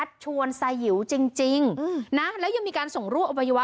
ได้ปลดป่อยบรรละ